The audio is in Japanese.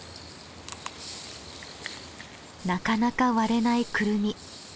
なかなか割れないクルミ。